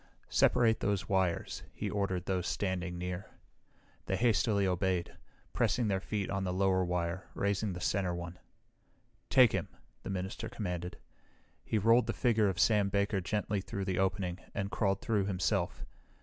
"Separate those wires," he ordered those standing near. They hastily obeyed, pressing their feet on the lower wire, raising the center one. "Take him!" the minister commanded. He rolled the figure of Sam Baker gently through the opening and crawled through himself.